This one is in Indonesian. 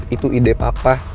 itu ide papa